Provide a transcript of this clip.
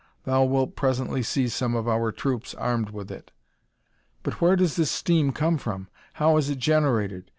Thou wilt presently see some of our troops armed with it." "But where does this steam come from? How is it generated?"